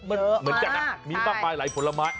เหมือนกันนะมีมากมายหลายผลไม้